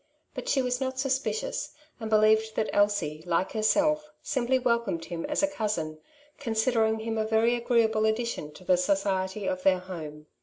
But she was not suspicious, and beh'eved that Elsie, like herself, simply welcomed him as a cousin, con sidering him a very agreeable addition to the society of their home.